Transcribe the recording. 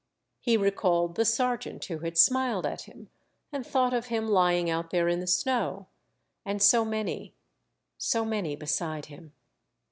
He recalled the sergeant who had smiled at him, and thought of him lying out there in the snow, and so many, so many beside him.